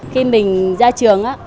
khi mình ra trường